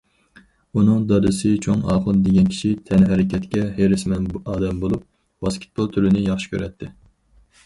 ئۇنىڭ دادىسى چوڭ ئاخۇن دېگەن كىشى تەنھەرىكەتكە ھېرىسمەن ئادەم بولۇپ، ۋاسكېتبول تۈرىنى ياخشى كۆرەتتى.